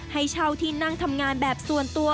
ให้เช่าที่นั่งทำงานแบบส่วนตัว